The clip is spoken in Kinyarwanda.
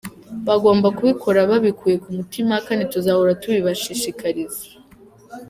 Bagomba kubikora babikuye ku mutima kandi tuzahora tubibashishikariza.